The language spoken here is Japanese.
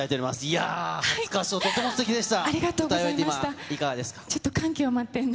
いやー、懐かしい、とてもすてきでした。